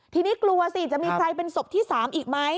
ทีนี้กลัวสิจะมีใครเป็นศพที่๓อีกไหม